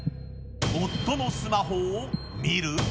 夫のスマホを見る？